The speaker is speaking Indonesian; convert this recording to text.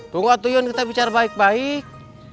tunggu tuh yun kita bicara baik baik